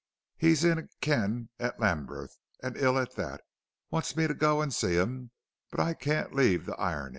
He's in a ken at Lambith, and ill at that. Want's me t'go an' see 'im. But I can't leave the ironin'."